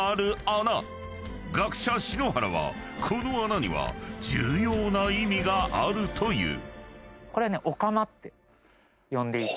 ［学者篠原はこの穴には重要な意味があるという］